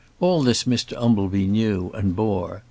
All this Mr Umbleby knew, and bore.